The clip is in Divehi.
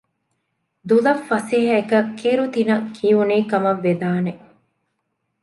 ދުލަށް ފަސޭހައަކަށް ކިރުތިނަ ކިޔުނީ ކަމަށް ވެދާނެ